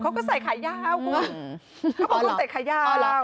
เขาก็ใส่ขายาวผม